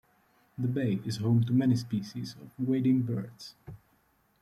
The bay is home to many species of wading birds.